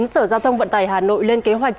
sở giao thông vận tải hà nội lên kế hoạch